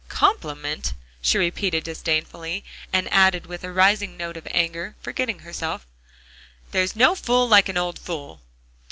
"Compliment?" she repeated disdainfully, and added with a rising note of anger, forgetting herself, "there's no fool like an old fool."